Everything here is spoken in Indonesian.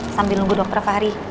sambil nunggu dokter fahri